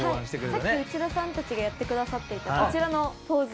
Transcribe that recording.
さっき内田さんたちがやってくださっていたこちらのポーズ